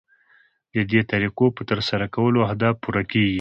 ددې طریقو په ترسره کولو اهداف پوره کیږي.